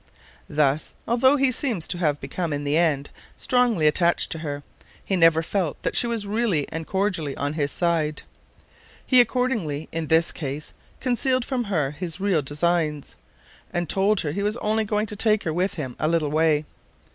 Thus, although he seems to have become, in the end, strongly attached to her, he never felt that she was really and cordially on his side. He accordingly, in this case, concealed from her his real designs, and told her he was only going to take her with him a little way.